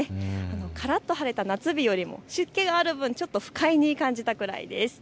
からっと晴れた夏日よりも湿気がある分、ちょっと不快に感じたくらいです。